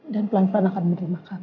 dan pelan pelan akan menerima kamu